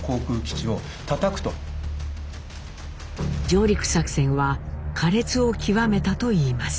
上陸作戦は苛烈を極めたと言います。